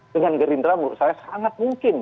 dengan gerindra menurut saya sangat mungkin